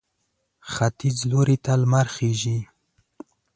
ختیځ لوري ته لمر خېژي.